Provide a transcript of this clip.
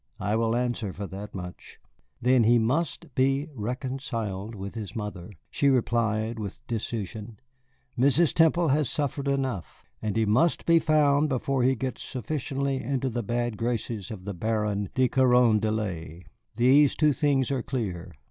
"I will answer for that much." "Then he must be reconciled with his mother," she replied with decision. "Mrs. Temple has suffered enough. And he must be found before he gets sufficiently into the bad graces of the Baron de Carondelet, these two things are clear."